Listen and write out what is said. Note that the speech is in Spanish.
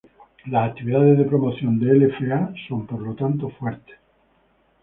Las actividades de promoción de LfA son por lo tanto fuertes.